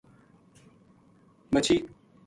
مچھی